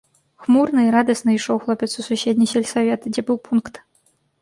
Хмурны і радасны ішоў хлопец у суседні сельсавет, дзе быў пункт.